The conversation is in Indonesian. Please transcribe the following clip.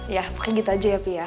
ya mungkin gitu aja ya pih ya